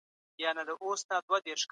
د سړک تېرېدلو پر مهال دواړو لورو ته وګورئ.